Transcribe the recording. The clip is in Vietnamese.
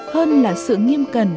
hơn là sự nghiêm cần